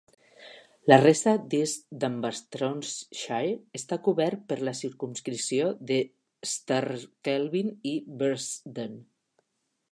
La resta d'East Dunbartonshire està cobert per la circumscripció d'Strathkelvin i Bearsden.